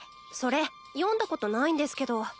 それ読んだことないんですけど。